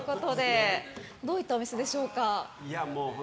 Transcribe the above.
どういったお店でしょうか。